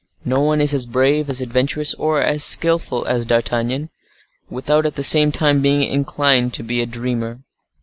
No one is as brave, as adventurous, or as skillful as D'Artagnan, without at the same time being inclined to be a dreamer.